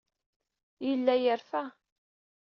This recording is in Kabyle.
Yella yerfa.